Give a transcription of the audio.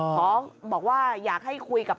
บอกว่าอยากให้คุยกับ